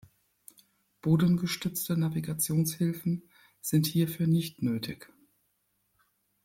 Bodengestützte Navigationshilfen sind hierfür nicht nötig.